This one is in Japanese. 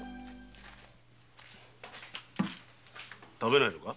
食べないのか？